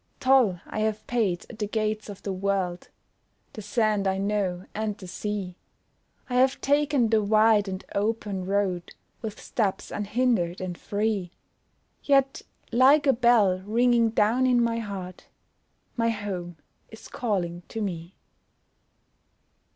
Toll I have paid at the gates of the world, The sand I know and the sea; I have taken the wide and open road, With steps unhindered and free; Yet, like a bell ringing down in my heart, My home is calling to me.